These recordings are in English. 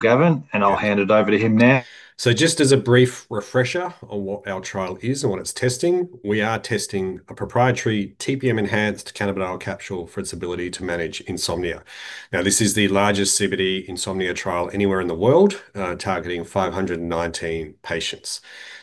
Gavin, and I'll hand it over to him now. Just as a brief refresher on what our trial is and what it's testing, we are testing a proprietary TPM-enhanced cannabidiol capsule for its ability to manage insomnia. This is the largest CBD insomnia trial anywhere in the world, targeting 519 patients.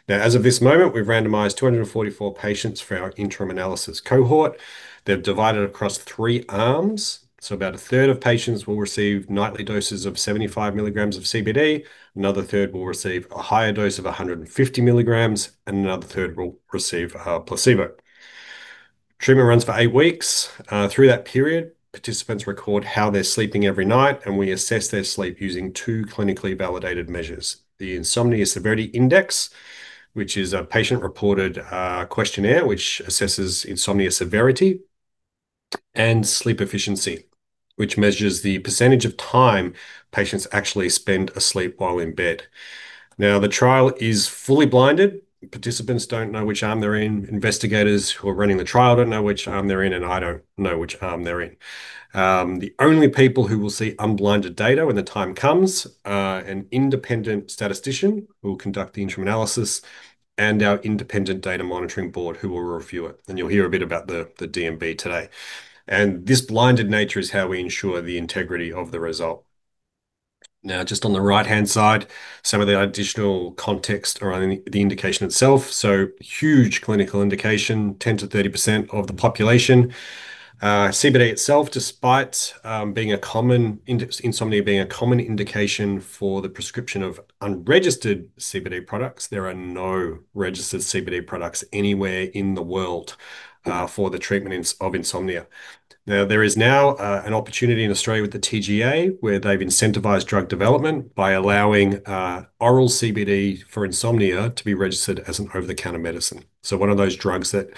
As of this moment, we've randomized 244 patients for our interim analysis cohort. They're divided across three arms. About a third of patients will receive nightly doses of 75mg of CBD, another third will receive a higher dose of 150mg, and another third will receive a placebo. Treatment runs for eight weeks. Through that period, participants record how they're sleeping every night, and we assess their sleep using two clinically validated measures. The Insomnia Severity Index, which is a patient-reported questionnaire which assesses insomnia severity, and sleep efficiency, which measures the percentage of time patients actually spend asleep while in bed. The trial is fully blinded. Participants don't know which arm they're in, investigators who are running the trial don't know which arm they're in, and I don't know which arm they're in. The only people who will see unblinded data when the time comes are an independent statistician, who will conduct the interim analysis, and our independent Data Monitoring Board, who will review it, and you'll hear a bit about the DMB today. This blinded nature is how we ensure the integrity of the result. Just on the right-hand side, some of the additional context around the indication itself. Huge clinical indication, 10%-30% of the population. CBD itself, despite insomnia being a common indication for the prescription of unregistered CBD products, there are no registered CBD products anywhere in the world for the treatment of insomnia. There is now an opportunity in Australia with the TGA, where they have incentivized drug development by allowing oral CBD for insomnia to be registered as an over-the-counter medicine. One of those drugs that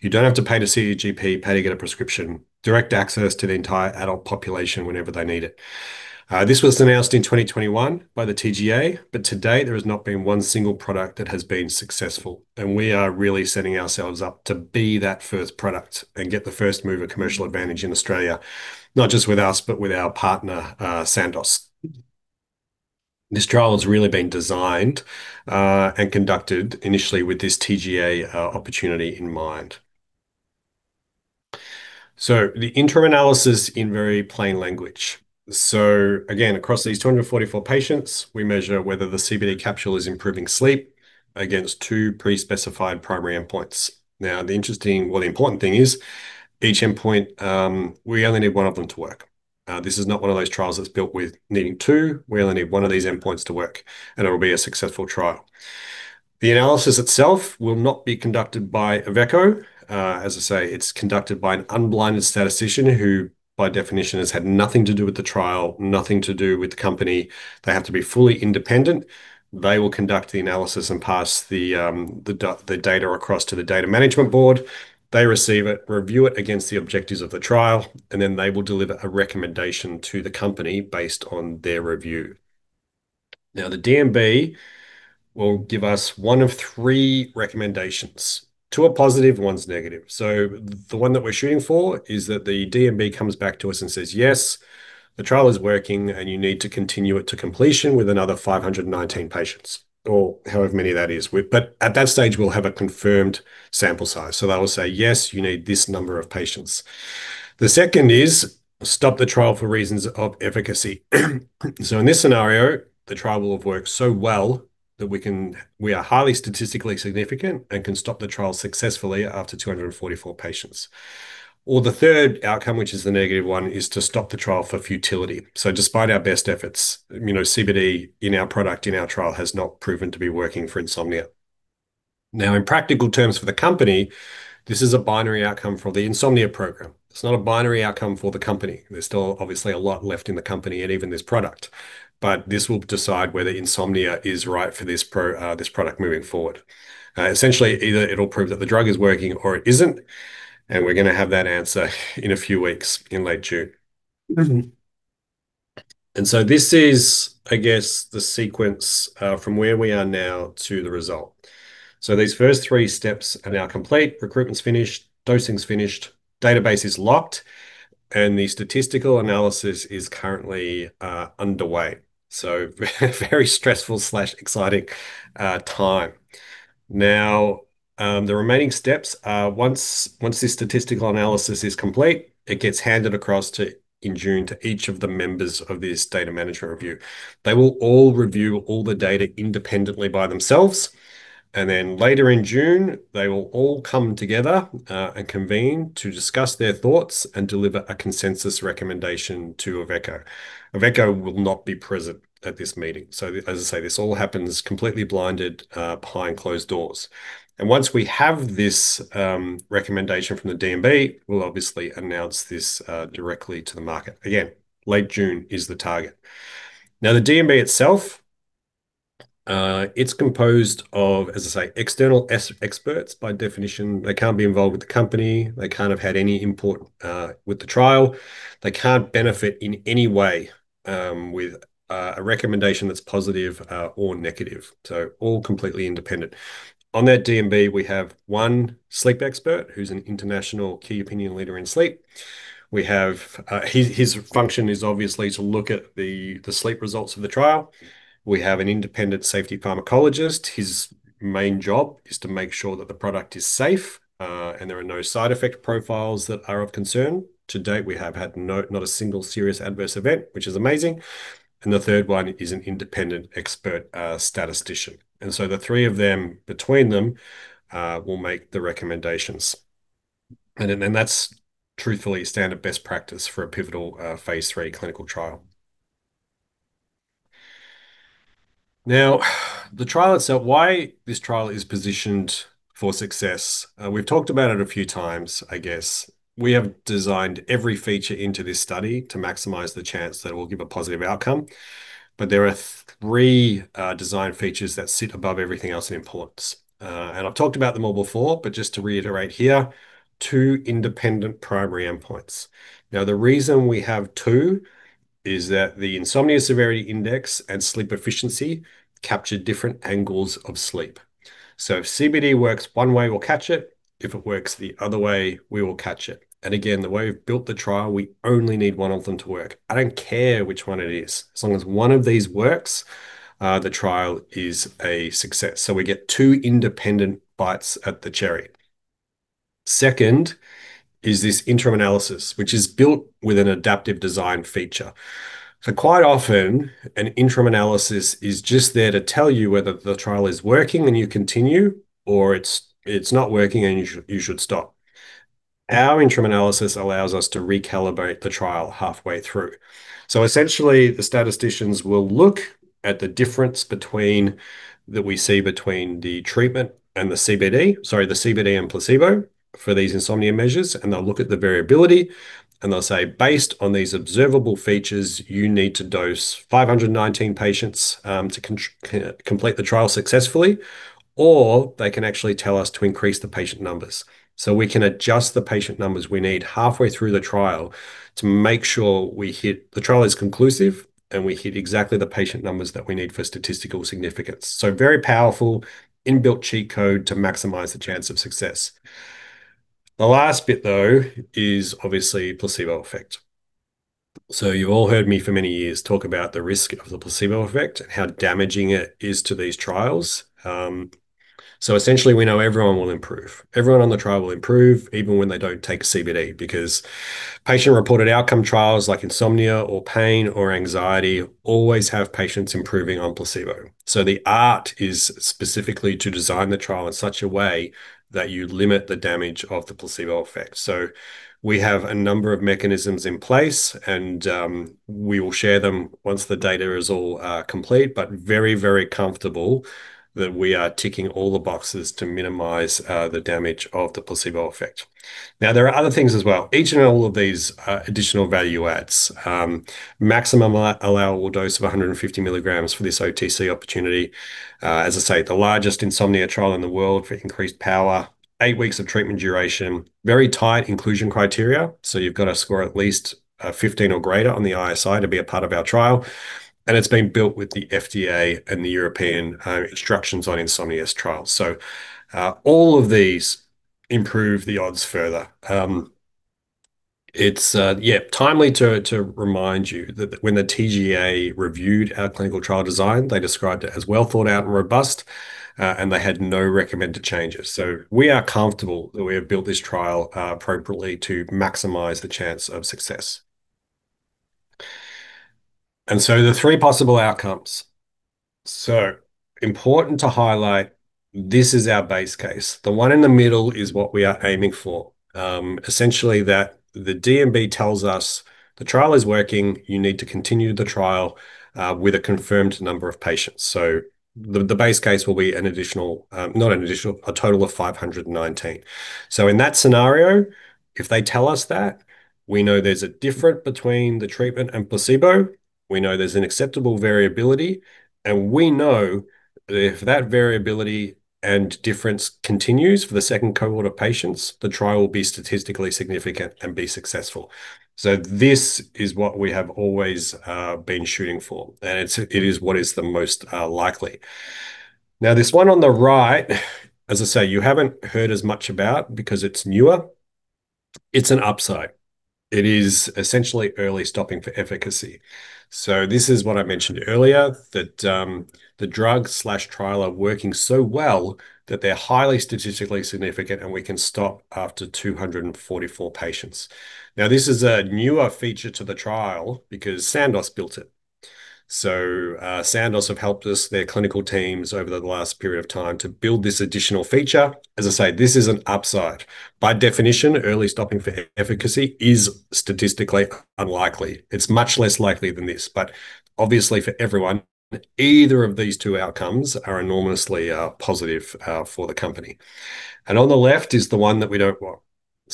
you don't have to pay to see a GP, pay to get a prescription. Direct access to the entire adult population whenever they need it. This was announced in 2021 by the TGA, to date, there has not been one single product that has been successful, we are really setting ourselves up to be that first product and get the first-mover commercial advantage in Australia, not just with us, but with our partner, Sandoz. This trial has really been designed and conducted initially with this TGA opportunity in mind. The interim analysis in very plain language. Again, across these 244 patients, we measure whether the CBD capsule is improving sleep against two pre-specified primary endpoints. The interesting or the important thing is each endpoint, we only need one of them to work. This is not one of those trials that's built with needing two. We only need one of these endpoints to work, and it will be a successful trial. The analysis itself will not be conducted by Avecho. As I say, it's conducted by an unblinded statistician who, by definition, has had nothing to do with the trial, nothing to do with the company. They have to be fully independent. They will conduct the analysis and pass the data across to the Data Monitoring Board. They receive it, review it against the objectives of the trial, and then they will deliver a recommendation to the company based on their review. The DMB will give us one of three recommendations. Two are positive, one's negative. The one that we're shooting for is that the DMB comes back to us and says, "Yes, the trial is working, and you need to continue it to completion with another 519 patients," or however many that is. At that stage, we'll have a confirmed sample size. They will say, "Yes, you need this number of patients." The second is, "Stop the trial for reasons of efficacy." In this scenario, the trial will have worked so well that we are highly statistically significant and can stop the trial successfully after 244 patients. The third outcome, which is the negative one, is to stop the trial for futility. Despite our best efforts, CBD in our product, in our trial, has not proven to be working for insomnia. In practical terms for the company, this is a binary outcome for the insomnia program. It's not a binary outcome for the company. There's still obviously a lot left in the company and even this product. This will decide whether insomnia is right for this product moving forward. Essentially, either it'll prove that the drug is working or it isn't, and we're going to have that answer in a few weeks, in late June. This is, I guess, the sequence from where we are now to the result. These first three steps are now complete. Recruitment's finished, dosing's finished, database is locked, and the statistical analysis is currently underway. Very stressful/exciting time. The remaining steps are once this statistical analysis is complete, it gets handed across in June to each of the members of this Data Monitoring Board. They will all review all the data independently by themselves, and then later in June, they will all come together and convene to discuss their thoughts and deliver a consensus recommendation to Avecho. Avecho will not be present at this meeting. As I say, this all happens completely blinded behind closed doors. Once we have this recommendation from the DMB, we'll obviously announce this directly to the market. Again, late June is the target. The DMB itself, it's composed of, as I say, external experts. By definition, they can't be involved with the company. They can't have had any input with the trial. They can't benefit in any way with a recommendation that's positive or negative. All completely independent. On that DMB, we have one sleep expert who's an international key opinion leader in sleep. His function is obviously to look at the sleep results of the trial. We have an independent safety pharmacologist. His main job is to make sure that the product is safe and there are no side effect profiles that are of concern. To date, we have had not a single serious adverse event, which is amazing. The third one is an independent expert statistician. The three of them, between them, will make the recommendations. That's truthfully standard best practice for a pivotal phase III clinical trial. Now, the trial itself, why this trial is positioned for success. We've talked about it a few times, I guess. We have designed every feature into this study to maximize the chance that it will give a positive outcome. There are three design features that sit above everything else in importance. I've talked about them all before, but just to reiterate here, two independent primary endpoints. The reason we have two is that the Insomnia Severity Index and sleep efficiency capture different angles of sleep. If CBD works one way, we'll catch it. If it works the other way, we will catch it. Again, the way we've built the trial, we only need one of them to work. I don't care which one it is. As long as one of these works, the trial is a success. We get two independent bites at the cherry. Second is this interim analysis, which is built with an adaptive design feature. Quite often, an interim analysis is just there to tell you whether the trial is working and you continue, or it's not working and you should stop. Our interim analysis allows us to recalibrate the trial halfway through. Essentially, the statisticians will look at the difference that we see between the treatment and the CBD, sorry, the CBD and placebo for these insomnia measures, and they'll look at the variability, and they'll say, "Based on these observable features, you need to dose 519 patients to complete the trial successfully." Or they can actually tell us to increase the patient numbers. We can adjust the patient numbers we need halfway through the trial to make sure the trial is conclusive and we hit exactly the patient numbers that we need for statistical significance. Very powerful inbuilt cheat code to maximize the chance of success. The last bit, though, is obviously placebo effect. You've all heard me for many years talk about the risk of the placebo effect and how damaging it is to these trials. Essentially, we know everyone will improve. Everyone on the trial will improve, even when they don't take CBD, because patient-reported outcome trials like insomnia or pain or anxiety always have patients improving on placebo. The art is specifically to design the trial in such a way that you limit the damage of the placebo effect. We have a number of mechanisms in place, and we will share them once the data is all complete, but very comfortable that we are ticking all the boxes to minimize the damage of the placebo effect. There are other things as well. Each and all of these are additional value adds. Maximum allowable dose of 150mg for this OTC opportunity. As I say, the largest insomnia trial in the world for increased power, eight weeks of treatment duration. Very tight inclusion criteria, so you've got to score at least 15 or greater on the ISI to be a part of our trial. It's been built with the FDA and the European instructions on insomnia trials. All of these improve the odds further. It's timely to remind you that when the TGA reviewed our clinical trial design, they described it as well thought out and robust, and they had no recommended changes. We are comfortable that we have built this trial appropriately to maximize the chance of success. The three possible outcomes. Important to highlight, this is our base case. The one in the middle is what we are aiming for. Essentially that the DMB tells us the trial is working, you need to continue the trial with a confirmed number of patients. The base case will be a total of 519. In that scenario, if they tell us that, we know there's a different between the treatment and placebo, we know there's an acceptable variability, and we know that if that variability and difference continues for the second cohort of patients, the trial will be statistically significant and be successful. This is what we have always been shooting for, and it is what is the most likely. Now, this one on the right, as I say, you haven't heard as much about because it's newer. It's an upside. It is essentially early stopping for efficacy. This is what I mentioned earlier, that the drug/trial are working so well that they're highly statistically significant, and we can stop after 244 patients. Now, this is a newer feature to the trial because Sandoz built it. Sandoz have helped us, their clinical teams, over the last period of time to build this additional feature. As I say, this is an upside. By definition, early stopping for efficacy is statistically unlikely. It's much less likely than this. Obviously, for everyone, either of these two outcomes are enormously positive for the company. On the left is the one that we don't want.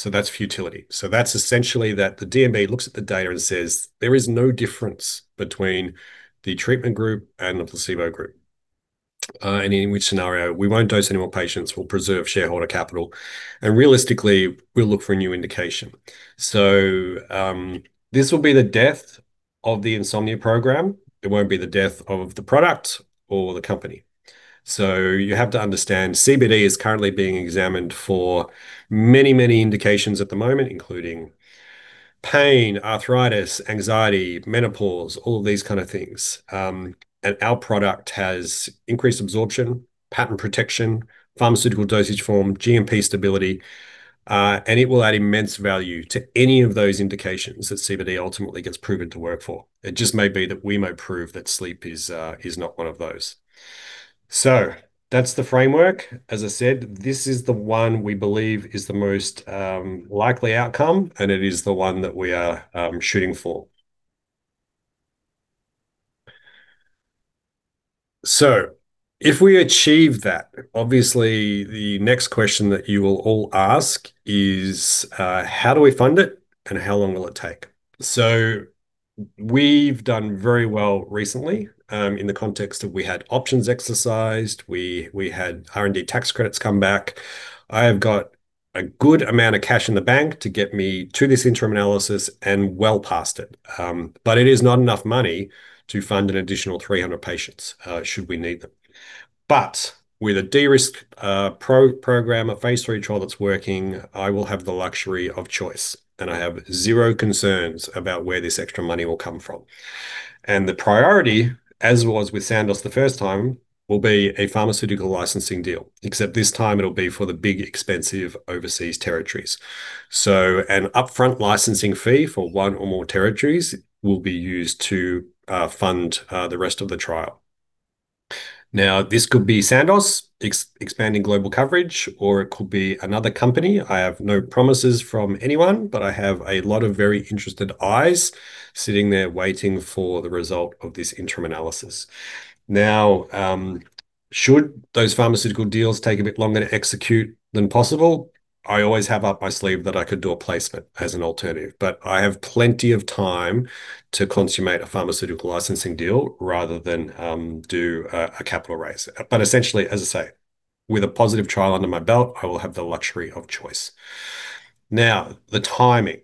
That's futility. That's essentially that the DMB looks at the data and says, "There is no difference between the treatment group and the placebo group." In which scenario we won't dose any more patients, we'll preserve shareholder capital, realistically, we'll look for a new indication. This will be the death of the insomnia program. It won't be the death of the product or the company. You have to understand, CBD is currently being examined for many, many indications at the moment, including pain, arthritis, anxiety, menopause, all of these kind of things. Our product has increased absorption, patent protection, pharmaceutical dosage form, GMP stability. It will add immense value to any of those indications that CBD ultimately gets proven to work for. It just may be that we may prove that sleep is not one of those. That's the framework. As I said, this is the one we believe is the most likely outcome, and it is the one that we are shooting for. If we achieve that, obviously, the next question that you will all ask is, how do we fund it and how long will it take? We've done very well recently, in the context of we had options exercised, we had R&D tax credits come back. I have got a good amount of cash in the bank to get me to this interim analysis and well past it. It is not enough money to fund an additional 300 patients, should we need them. With a de-risk program, a phase III trial that's working, I will have the luxury of choice. I have zero concerns about where this extra money will come from. The priority, as was with Sandoz the first time, will be a pharmaceutical licensing deal. This time it'll be for the big, expensive overseas territories. An upfront licensing fee for one or more territories will be used to fund the rest of the trial. This could be Sandoz expanding global coverage, or it could be another company. I have no promises from anyone, but I have a lot of very interested eyes sitting there waiting for the result of this interim analysis. Should those pharmaceutical deals take a bit longer to execute than possible, I always have up my sleeve that I could do a placement as an alternative. I have plenty of time to consummate a pharmaceutical licensing deal rather than do a capital raise. Essentially, as I say, with a positive trial under my belt, I will have the luxury of choice. The timing.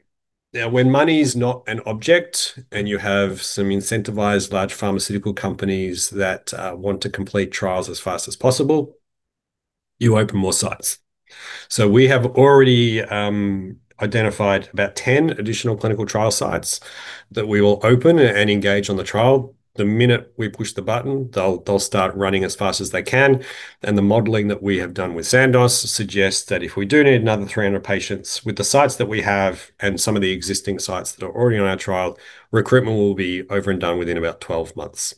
When money is not an object and you have some incentivized large pharmaceutical companies that want to complete trials as fast as possible, you open more sites. We have already identified about 10 additional clinical trial sites that we will open and engage on the trial. The minute we push the button, they'll start running as fast as they can. The modeling that we have done with Sandoz suggests that if we do need another 300 patients, with the sites that we have and some of the existing sites that are already on our trial, recruitment will be over and done within about 12 months.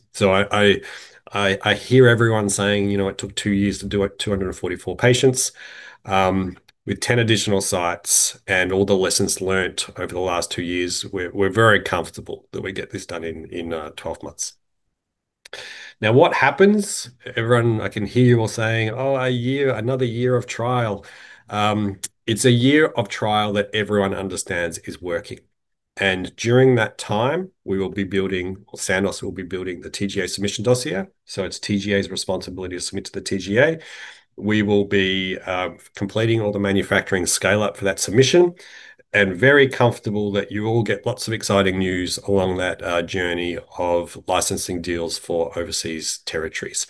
I hear everyone saying, "It took two years to do 244 patients." With 10 additional sites and all the lessons learnt over the last two years, we're very comfortable that we get this done in 12 months. What happens, everyone, I can hear you all saying, "Oh, a year, another year of trial." It's a year of trial that everyone understands is working. During that time, we will be building, or Sandoz will be building the TGA submission dossier. It's TGA's responsibility to submit to the TGA. We will be completing all the manufacturing scale-up for that submission, and very comfortable that you all get lots of exciting news along that journey of licensing deals for overseas territories.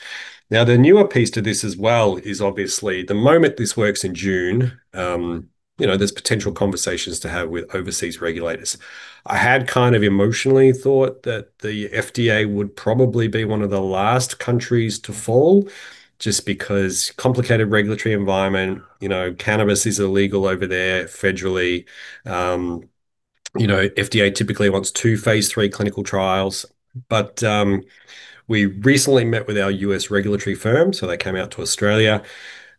The newer piece to this as well is obviously the moment this works in June, there's potential conversations to have with overseas regulators. I had emotionally thought that the FDA would probably be one of the last countries to fall just because complicated regulatory environment. Cannabis is illegal over there federally. FDA typically wants two phase III clinical trials. We recently met with our U.S. regulatory firm, so they came out to Australia.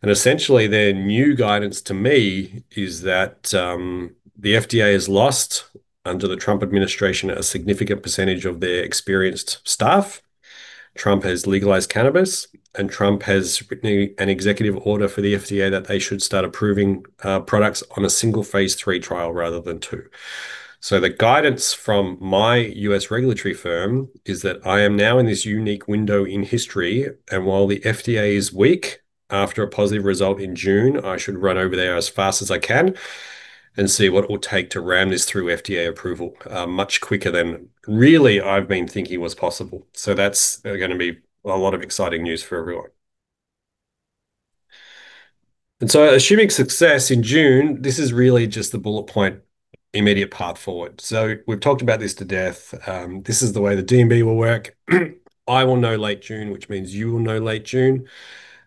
Essentially, their new guidance to me is that the FDA has lost, under the Trump administration, a significant percentage of their experienced staff. Trump has legalized cannabis, and Trump has written an executive order for the FDA that they should start approving products on a single phase III trial rather than two. The guidance from my U.S. regulatory firm is that I am now in this unique window in history, and while the FDA is weak, after a positive result in June, I should run over there as fast as I can and see what it will take to ram this through FDA approval much quicker than really I've been thinking was possible. That's going to be a lot of exciting news for everyone. Assuming success in June, this is really just the bullet point immediate path forward. We've talked about this to death. This is the way the DMB will work. I will know late June, which means you will know late June.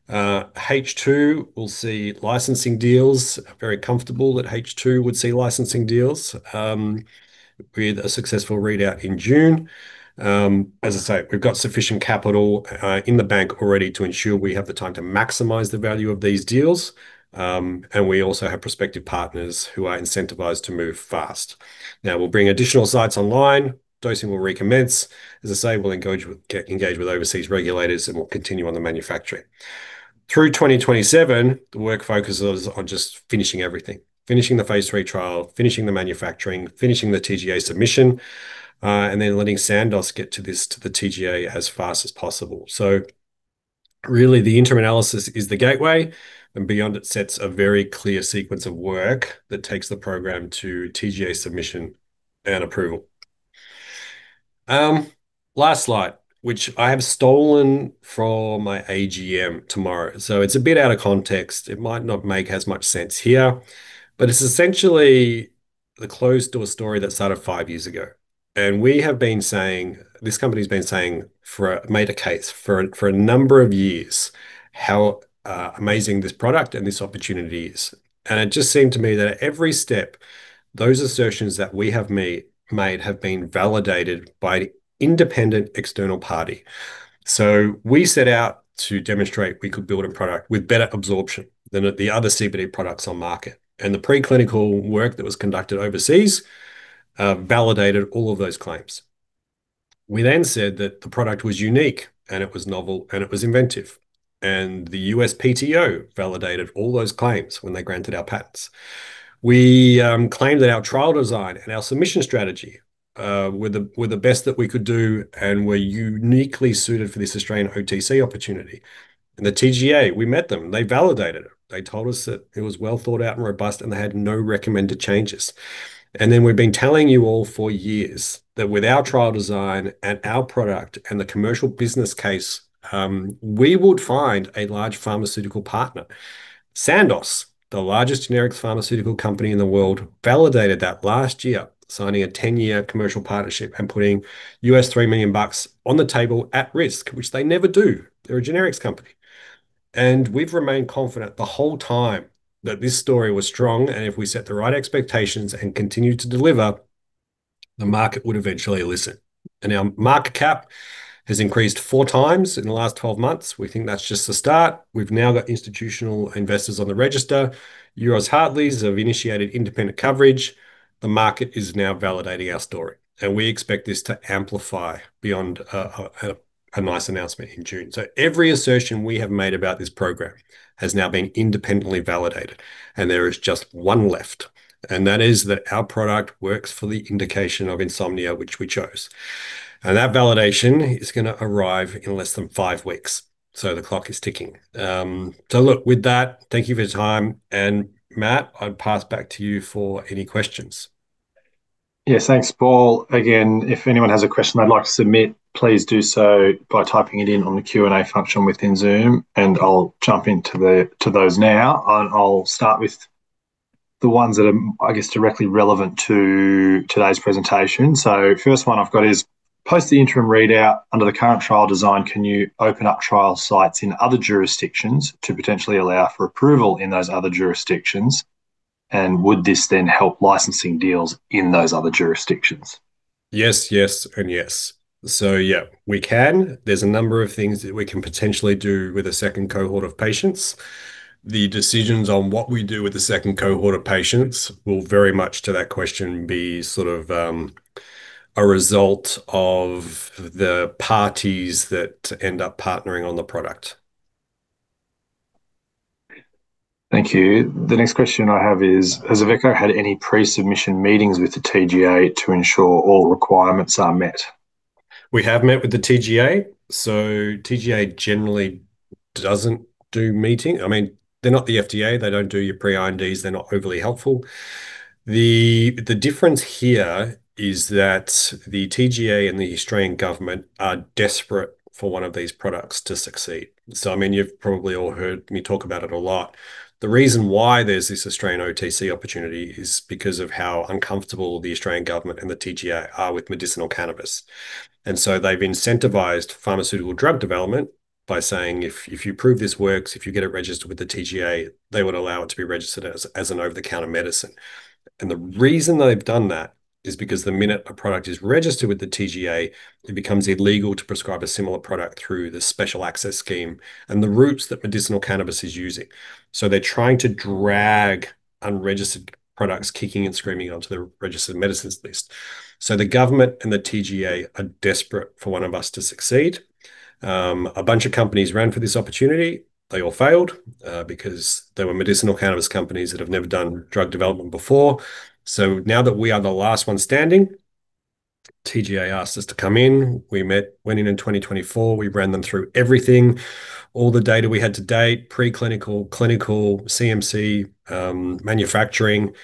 H2, we'll see licensing deals. Very comfortable that H2 would see licensing deals with a successful readout in June. As I say, we've got sufficient capital in the bank already to ensure we have the time to maximize the value of these deals. We also have prospective partners who are incentivized to move fast. We'll bring additional sites online. Dosing will recommence. As I say, we'll engage with overseas regulators, and we'll continue on the manufacturing. Through 2027, the work focus is on just finishing everything, finishing the phase III trial, finishing the manufacturing, finishing the TGA submission, and then letting Sandoz get to this, to the TGA as fast as possible. Really, the interim analysis is the gateway, and beyond it sets a very clear sequence of work that takes the program to TGA submission and approval. Last slide, which I have stolen from my AGM tomorrow. It's a bit out of context. It might not make as much sense here, but it's essentially the closed-door story that started five years ago. We have been saying, this company's been saying, made a case for a number of years, how amazing this product and this opportunity is. It just seemed to me that at every step, those assertions that we have made have been validated by independent external party. We set out to demonstrate we could build a product with better absorption than the other CBD products on market. The preclinical work that was conducted overseas validated all of those claims. We said that the product was unique, and it was novel, and it was inventive. The USPTO validated all those claims when they granted our patents. We claimed that our trial design and our submission strategy were the best that we could do and were uniquely suited for this Australian OTC opportunity. The TGA, we met them, they validated it. They told us that it was well thought out and robust, and they had no recommended changes. We've been telling you all for years that with our trial design and our product and the commercial business case, we would find a large pharmaceutical partner. Sandoz, the largest generics pharmaceutical company in the world, validated that last year, signing a 10-year commercial partnership and putting 3 million bucks on the table at risk, which they never do. They're a generics company. We've remained confident the whole time that this story was strong, and if we set the right expectations and continued to deliver, the market would eventually listen. Our market cap has increased four times in the last 12 months. We think that's just the start. We've now got institutional investors on the register. Euroz Hartleys have initiated independent coverage. The market is now validating our story, and we expect this to amplify beyond a nice announcement in June. Every assertion we have made about this program has now been independently validated, and there is just one left, and that is that our product works for the indication of insomnia, which we chose. That validation is going to arrive in less than five weeks, so the clock is ticking. Look, with that, thank you for your time. Matt, I'll pass back to you for any questions. Yeah, thanks, Paul. If anyone has a question they'd like to submit, please do so by typing it in on the Q&A function within Zoom, and I'll jump into those now. I'll start with the ones that are, I guess, directly relevant to today's presentation. First one I've got is, post the interim readout under the current trial design, can you open up trial sites in other jurisdictions to potentially allow for approval in those other jurisdictions? Would this then help licensing deals in those other jurisdictions? Yes, yes, and yes. Yeah, we can. There's a number of things that we can potentially do with a second cohort of patients. The decisions on what we do with the second cohort of patients will very much, to that question, be sort of a result of the parties that end up partnering on the product. Thank you. The next question I have is, has Avecho had any pre-submission meetings with the TGA to ensure all requirements are met? We have met with the TGA. TGA generally doesn't do meeting. I mean, they're not the FDA. They don't do your pre-INDs. They're not overly helpful. The difference here is that the TGA and the Australian government are desperate for one of these products to succeed. I mean, you've probably all heard me talk about it a lot. The reason why there's this Australian OTC opportunity is because of how uncomfortable the Australian government and the TGA are with medicinal cannabis. They've incentivized pharmaceutical drug development by saying, "If you prove this works, if you get it registered with the TGA," they would allow it to be registered as an over-the-counter medicine. The reason they've done that is because the minute a product is registered with the TGA, it becomes illegal to prescribe a similar product through the Special Access Scheme and the routes that medicinal cannabis is using. They're trying to drag unregistered products kicking and screaming onto the registered medicines list. The government and the TGA are desperate for one of us to succeed. A bunch of companies ran for this opportunity. They all failed, because they were medicinal cannabis companies that have never done drug development before. Now that we are the last one standing, TGA asked us to come in. We met, went in in 2024. We ran them through everything, all the data we had to date, preclinical, clinical, CMC, manufacturing,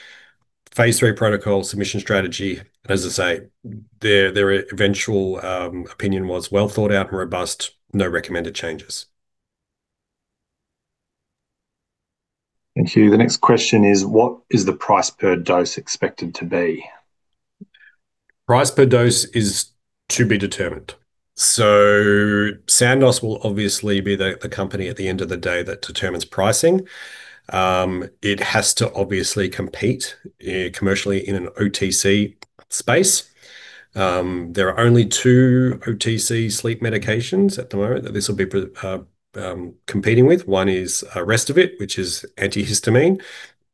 phase III protocol, submission strategy. As I say, their eventual opinion was well thought out and robust. No recommended changes. Thank you. The next question is, what is the price per dose expected to be? Price per dose is to be determined. Sandoz will obviously be the company at the end of the day that determines pricing. It has to obviously compete commercially in an OTC space. There are only two OTC sleep medications at the moment that this will be competing with. One is RESTAVIT, which is antihistamine,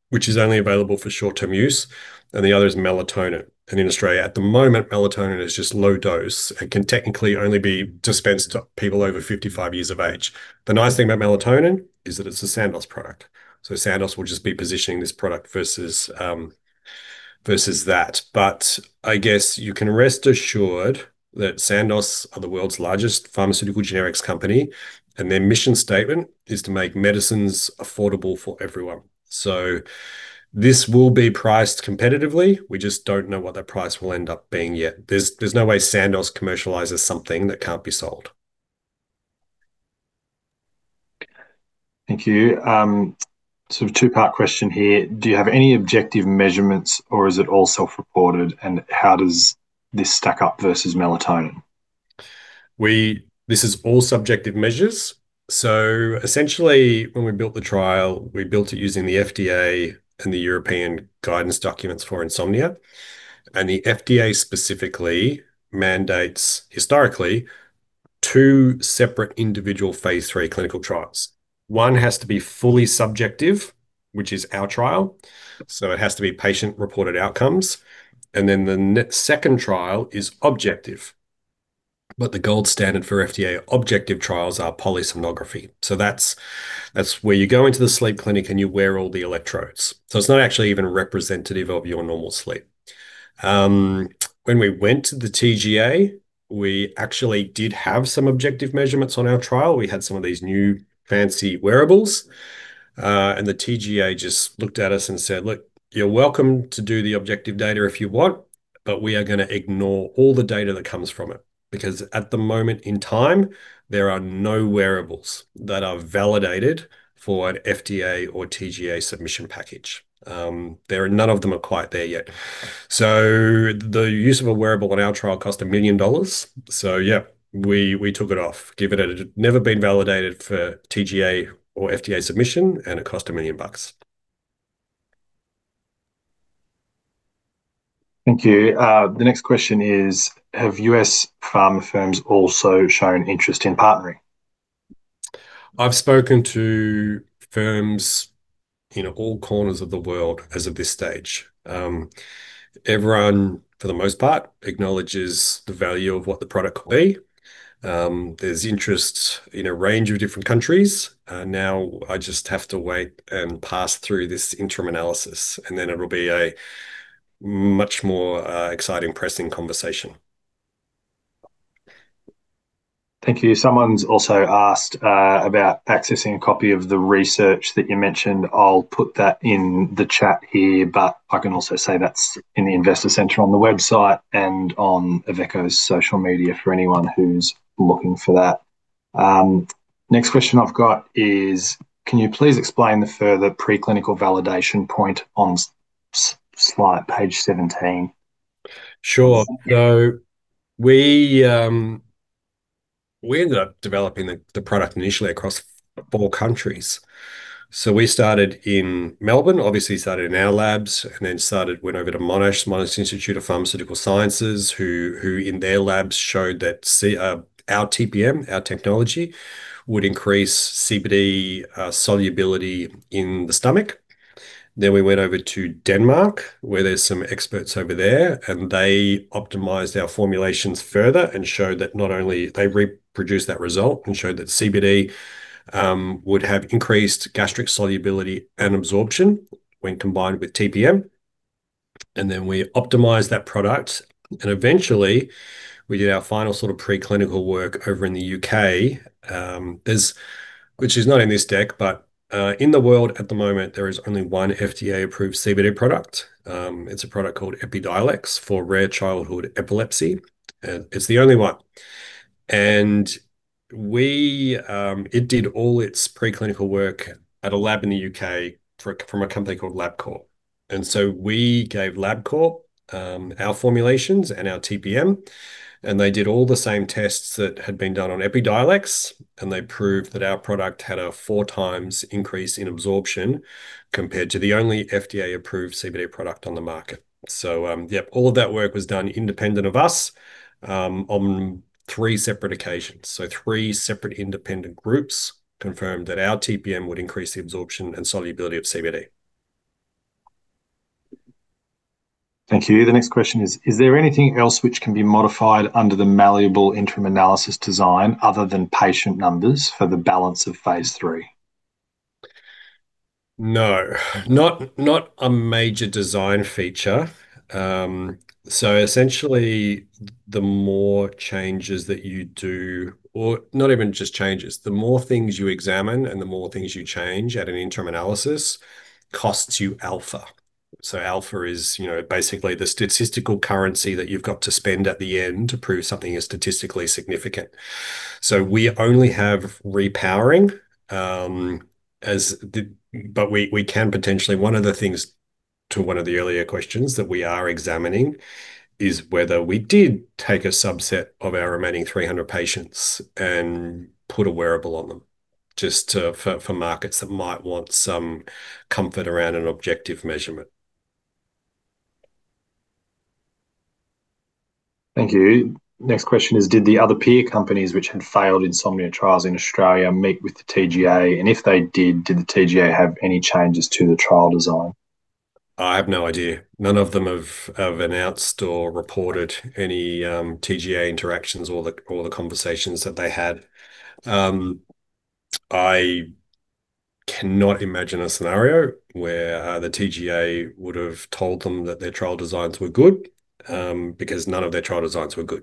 which is only available for short-term use, and the other is melatonin. In Australia at the moment, melatonin is just low dose. It can technically only be dispensed to people over 55 years of age. The nice thing about melatonin is that it's a Sandoz product. Sandoz will just be positioning this product versus that. I guess you can rest assured that Sandoz are the world's largest pharmaceutical generics company, and their mission statement is to make medicines affordable for everyone. This will be priced competitively. We just don't know what that price will end up being yet. There's no way Sandoz commercializes something that can't be sold. Thank you. Two-part question here. Do you have any objective measurements or is it all self-reported? How does this stack up versus melatonin? This is all subjective measures. Essentially when we built the trial, we built it using the FDA and the European guidance documents for insomnia. The FDA specifically mandates, historically, two separate individual phase III clinical trials. One has to be fully subjective, which is our trial. It has to be patient-reported outcomes. The second trial is objective. The gold standard for FDA objective trials are polysomnography. That's where you go into the sleep clinic and you wear all the electrodes. It's not actually even representative of your normal sleep. When we went to the TGA, we actually did have some objective measurements on our trial. We had some of these new fancy wearables. The TGA just looked at us and said, "Look, you're welcome to do the objective data if you want, but we are going to ignore all the data that comes from it." At the moment in time, there are no wearables that are validated for an FDA or TGA submission package. None of them are quite there yet. The use of a wearable on our trial cost 1 million dollars. Yeah, we took it off, given that it had never been validated for TGA or FDA submission and it cost 1 million bucks. Thank you. The next question is, have U.S. pharma firms also shown interest in partnering? I've spoken to firms in all corners of the world as of this stage. Everyone, for the most part, acknowledges the value of what the product could be. There's interest in a range of different countries. Now I just have to wait and pass through this interim analysis, and then it'll be a much more exciting pressing conversation. Thank you. Someone's also asked about accessing a copy of the research that you mentioned. I'll put that in the chat here, but I can also say that's in the Investor Center on the website and on Avecho's social media for anyone who's looking for that. Next question I've got is, "Can you please explain the further preclinical validation point on slide page 17? Sure. We ended up developing the product initially across four countries. We started in Melbourne, obviously started in our labs, and then went over to Monash Institute of Pharmaceutical Sciences, who in their labs showed that our TPM, our technology, would increase CBD solubility in the stomach. We went over to Denmark, where there's some experts over there, and they optimized our formulations further and showed that not only they reproduced that result and showed that CBD would have increased gastric solubility and absorption when combined with TPM. We optimized that product, and eventually we did our final sort of preclinical work over in the U.K. Which is not in this deck, but in the world at the moment, there is only one FDA-approved CBD product. It's a product called EPIDIOLEX for rare childhood epilepsy, and it's the only one. It did all its preclinical work at a lab in the U.K. from a company called Labcorp. We gave Labcorp our formulations and our TPM, and they did all the same tests that had been done on EPIDIOLEX, and they proved that our product had a four times increase in absorption compared to the only FDA-approved CBD product on the market. All of that work was done independent of us, on three separate occasions. three separate independent groups confirmed that our TPM would increase the absorption and solubility of CBD. Thank you. The next question is there anything else which can be modified under the malleable interim analysis design other than patient numbers for the balance of phase III? No, not a major design feature. Essentially, the more changes that you do, or not even just changes, the more things you examine and the more things you change at an interim analysis costs you alpha. Alpha is basically the statistical currency that you've got to spend at the end to prove something is statistically significant. We only have repowering, but we can potentially One of the things, to one of the earlier questions, that we are examining is whether we did take a subset of our remaining 300 patients and put a wearable on them just for markets that might want some comfort around an objective measurement. Thank you. Next question is, did the other peer companies which had failed insomnia trials in Australia meet with the TGA? If they did the TGA have any changes to the trial design? I have no idea. None of them have announced or reported any TGA interactions or the conversations that they had. I cannot imagine a scenario where the TGA would've told them that their trial designs were good, because none of their trial designs were good.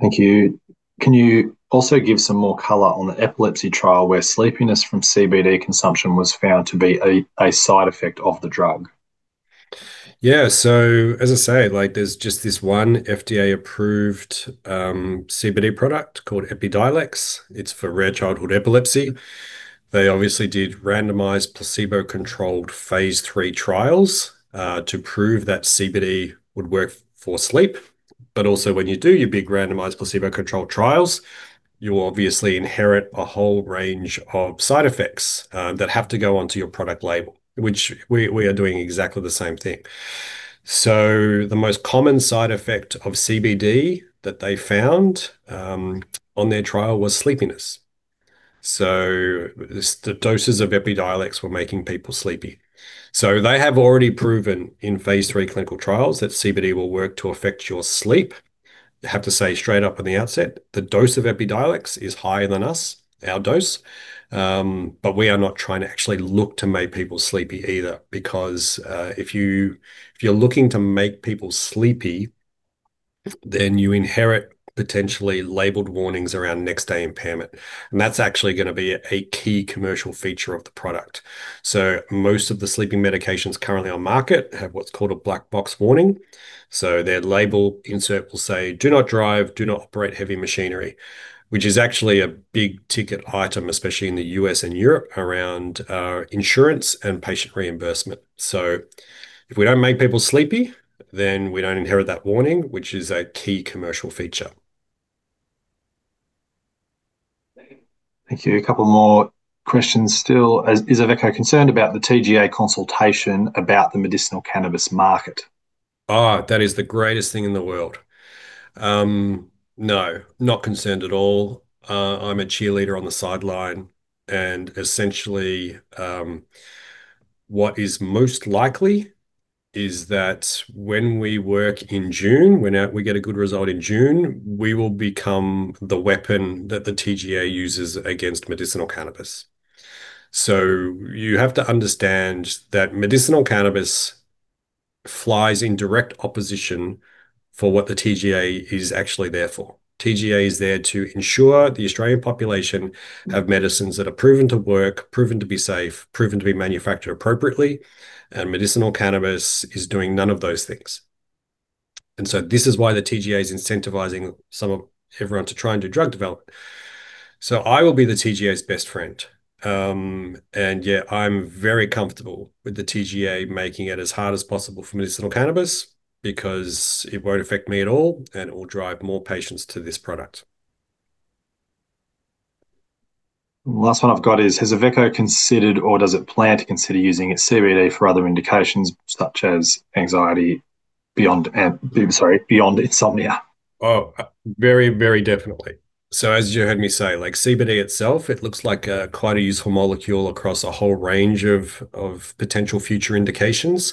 Thank you. Can you also give some more color on the epilepsy trial where sleepiness from CBD consumption was found to be a side effect of the drug? Yeah. As I say, there's just this one FDA-approved CBD product called EPIDIOLEX. It's for rare childhood epilepsy. They obviously did randomized placebo-controlled phase III trials to prove that CBD would work for sleep. Also when you do your big randomized placebo-controlled trials, you obviously inherit a whole range of side effects that have to go onto your product label. We are doing exactly the same thing. The most common side effect of CBD that they found on their trial was sleepiness. The doses of EPIDIOLEX were making people sleepy. They have already proven in phase III clinical trials that CBD will work to affect your sleep. Have to say straight up in the outset, the dose of EPIDIOLEX is higher than us, our dose. We are not trying to actually look to make people sleepy either, because if you're looking to make people sleepy, then you inherit potentially labeled warnings around next day impairment, and that's actually going to be a key commercial feature of the product. Most of the sleeping medications currently on market have what's called a black box warning. Their label insert will say, "Do not drive, do not operate heavy machinery," which is actually a big-ticket item, especially in the U.S. and Europe, around insurance and patient reimbursement. If we don't make people sleepy, then we don't inherit that warning, which is a key commercial feature. Thank you. A couple more questions still. Is Avecho concerned about the TGA consultation about the medicinal cannabis market? Oh, that is the greatest thing in the world. No, not concerned at all. I'm a cheerleader on the sideline. Essentially, what is most likely is that when we work in June, when we get a good result in June, we will become the weapon that the TGA uses against medicinal cannabis. You have to understand that medicinal cannabis flies in direct opposition for what the TGA is actually there for. TGA is there to ensure the Australian population have medicines that are proven to work, proven to be safe, proven to be manufactured appropriately, and medicinal cannabis is doing none of those things. This is why the TGA's incentivizing everyone to try and do drug development. I will be the TGA's best friend. Yeah, I'm very comfortable with the TGA making it as hard as possible for medicinal cannabis because it won't affect me at all, and it will drive more patients to this product. Last one I've got is, has Avecho considered or does it plan to consider using its CBD for other indications such as anxiety beyond, sorry, beyond insomnia? Very definitely. As you heard me say, CBD itself, it looks like quite a useful molecule across a whole range of potential future indications.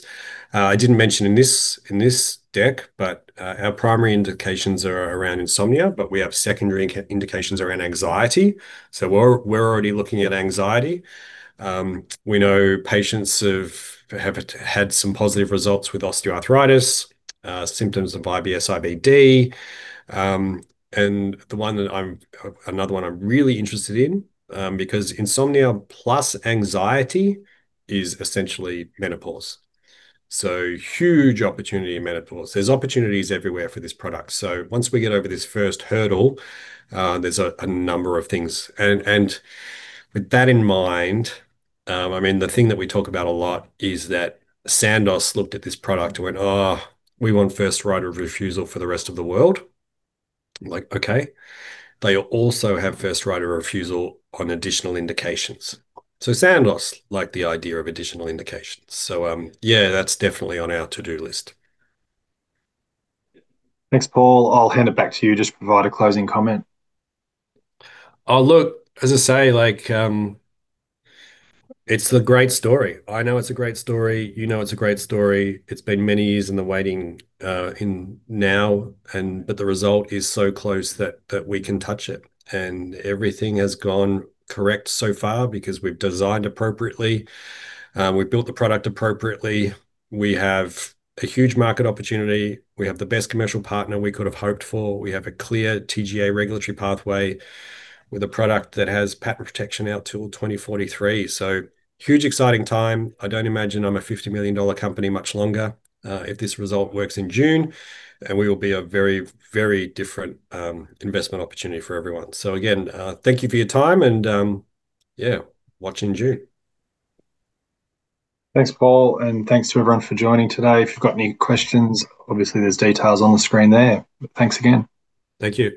I didn't mention in this deck, but our primary indications are around insomnia, but we have secondary indications around anxiety. We're already looking at anxiety. We know patients have had some positive results with osteoarthritis, symptoms of IBS, IBD. Another one I'm really interested in, because insomnia plus anxiety is essentially menopause. Huge opportunity in menopause. There's opportunities everywhere for this product. Once we get over this first hurdle, there's a number of things. With that in mind, the thing that we talk about a lot is that Sandoz looked at this product and went, "We want first right of refusal for the rest of the world." Like, okay. They also have first right of refusal on additional indications. Sandoz like the idea of additional indications. Yeah, that's definitely on our to-do list. Thanks, Paul. I'll hand it back to you just to provide a closing comment. Oh, look, as I say, it's a great story. I know it's a great story. You know it's a great story. It's been many years in the waiting now but the result is so close that we can touch it. Everything has gone correct so far because we've designed appropriately, we've built the product appropriately. We have a huge market opportunity. We have the best commercial partner we could've hoped for. We have a clear TGA regulatory pathway with a product that has patent protection out till 2043. Huge exciting time. I don't imagine I'm an 50 million dollar company much longer if this result works in June, and we will be a very different investment opportunity for everyone. Again, thank you for your time and, yeah, watch in June. Thanks, Paul, and thanks to everyone for joining today. If you've got any questions, obviously there's details on the screen there. Thanks again. Thank you.